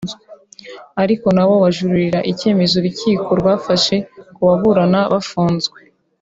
ariko nabo bajuririra icyemezo urukiko rwafashe ko baburana bafunzwe